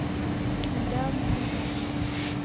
Mdamu wazamie